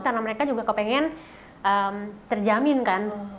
karena mereka juga pengen terjamin kan